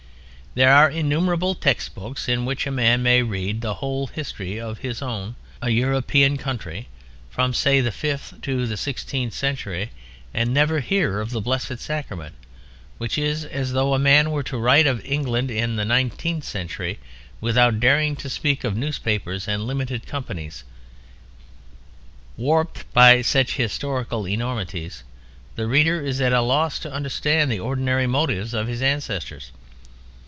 There are innumerable text books in which a man may read the whole history of his own, a European, country, from, say, the fifth to the sixteenth century, and never hear of the Blessed Sacrament: which is as though a man were to write of England in the nineteenth century without daring to speak of newspapers and limited companies. Warped by such historical enormities, the reader is at a loss to understand the ordinary motives of his ancestors.